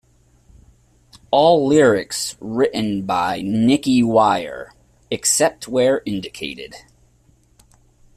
All lyrics written by Nicky Wire; except where indicated.